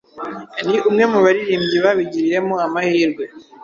ni umwe mu baririmbyi babigiriyemo amahirwe,